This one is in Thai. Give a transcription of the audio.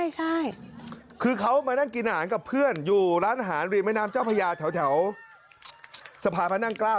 ใช่คือเขามานั่งกินอาหารกับเพื่อนอยู่ร้านอาหารริมแม่น้ำเจ้าพญาแถวสะพานพระนั่งเกล้า